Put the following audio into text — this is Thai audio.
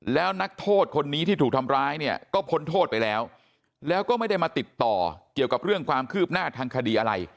แล้วนักโทษคนนี้ที่ถูกทำร้ายเนี่ยก็พ้นโทษไปแล้วแล้วก็ไม่ได้มาติดต่อเกี่ยวกับเรื่องความคืบหน้าทางคดีอะไร